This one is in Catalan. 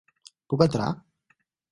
Puc entrar?